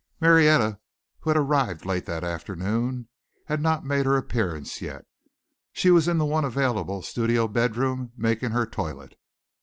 Marietta, who had arrived late that afternoon, had not made her appearance yet. She was in the one available studio bedroom making her toilet.